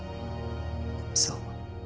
そう。